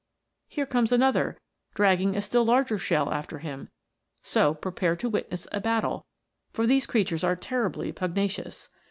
Here comes another, dragging a still larger shell after him, so prepare to witness a battle, for these creatures are terribly pugnacious.